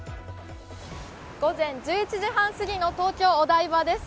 午前１１時半すぎの東京・お台場です。